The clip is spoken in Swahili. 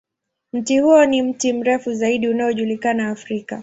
Mti huo ni mti mrefu zaidi unaojulikana Afrika.